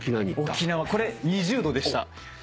沖縄これ２０℃でした。